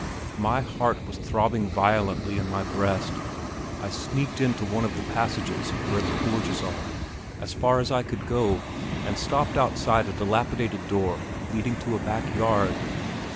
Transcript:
My heart was throbbing violently in my breast. I sneaked into one of the passages, where the forges are, as far in as I could go, and stopped outside a dilapidated door leading to a back yard.